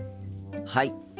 はい。